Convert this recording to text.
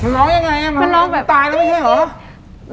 มันร้องยังไงมันตายแล้วไม่ใช่หรอ